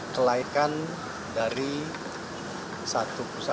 kelaikan dari satu pusat